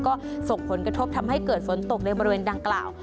ก็ส่งผลกระทบทำให้เกิดฝนตกในบริเวณดังกล่าว